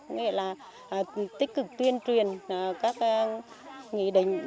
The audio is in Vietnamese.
nghĩa là tích cực tuyên truyền các nghị định